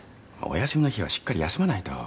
お休みの日はしっかり休まないと。